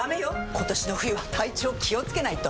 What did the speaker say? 今年の冬は体調気をつけないと！